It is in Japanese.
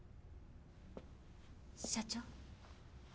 社長。